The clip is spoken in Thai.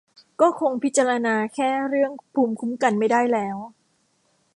ก็คงพิจารณาแค่เรื่องภูมิคุ้มกันไม่ได้แล้ว